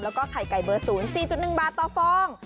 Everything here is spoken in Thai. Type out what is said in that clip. แล้วก็ไข่ไก่เบอร์๐๔๑บาทต่อฟอง